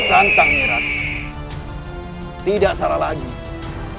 saya akan menjaga kebenaran raden